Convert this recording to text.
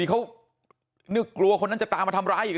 นี่คุณตูนอายุ๓๗ปีนะครับ